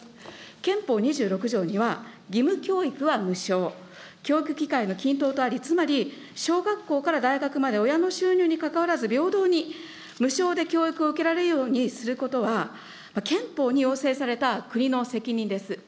憲法２６条には、義務教育は無償、教育機会の均等とあり、つまり小学校から大学まで親の収入に関わらず平等に無償で教育を受けられるようにすることは、憲法に要請された国の責任です。